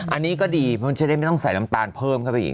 อันนี้ก็ดีเพราะจะได้ไม่ต้องใส่น้ำตาลเพิ่มเข้าไปอีก